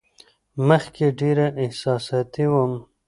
مخکې ډېره احساساتي وم.